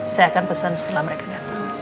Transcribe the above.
saya akan pesan setelah mereka datang